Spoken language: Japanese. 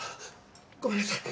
ごめんなさい。